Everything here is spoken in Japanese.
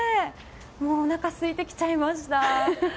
もうおなかすいてきちゃいました。